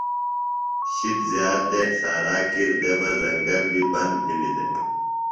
شِد زِیات دےۡ۔ سارا کِر دےۡ بہ زنگل بیۡ بند بِھلیۡ دےۡ۔